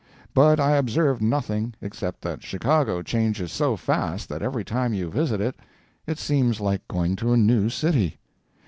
But I observed nothing, except that Chicago changes so fast that every time you visit it it seems like going to a new city.